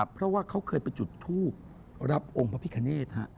เพราะว่าเขาเคยไปจุดทูบรับองค์พระพิคเนธ